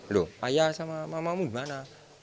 loh ayah sama mamamu gimana